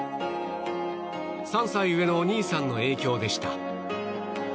３歳上のお兄さんの影響でした。